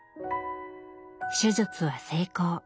手術は成功。